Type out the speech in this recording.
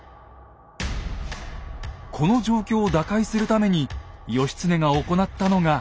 この状況を打開するために義経が行ったのが